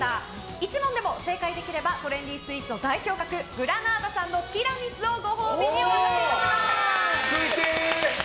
１問でも正解できればトレンディースイーツの代表格グラナータさんのティラミスをご褒美にお渡しします！